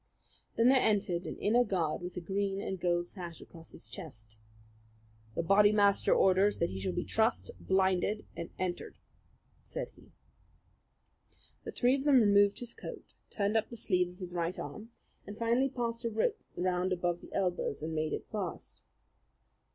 Then there entered an inner guard with a green and gold sash across his chest. "The Bodymaster orders that he shall be trussed, blinded, and entered," said he. The three of them removed his coat, turned up the sleeve of his right arm, and finally passed a rope round above the elbows and made it fast.